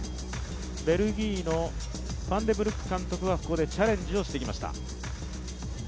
ベルギーのファンデブルック監督がここでチャレンジをしてきました。